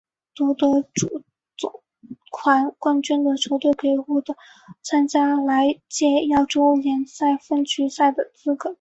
夺得足总杯冠军的球队可以获得参加来届欧洲联赛分组赛的资格。